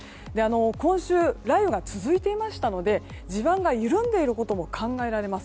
今週、雷雨が続いていましたので地盤が緩んでいることも考えられます。